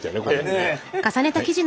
ねえ。